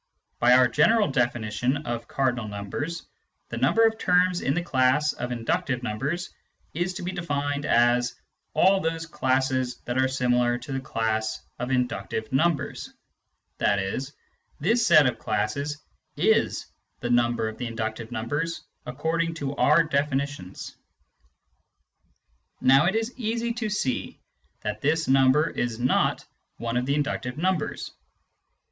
By our general definition of cardinal numbers, the number of terms in the class of inductive numbers is to be defined as " all those classes that are similar to the class of inductive numbers "— i.e. this set of classes is the number of the inductive numbers according to our definitions. Now it is easy to see that this number is not one of the inductive numbers.